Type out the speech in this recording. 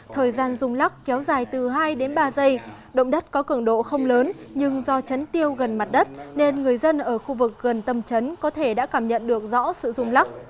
thời gian dùng lắc kéo dài từ hai đến ba giây động đất có cường độ không lớn nhưng do chấn tiêu gần mặt đất nên người dân ở khu vực gần tâm chấn có thể đã cảm nhận được rõ sự rung lắc